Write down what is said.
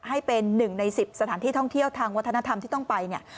ให้เป็น๑ใน๑๐สถานที่ท่องเที่ยวทางวัฒนธรรมที่ต้องไปเนี่ย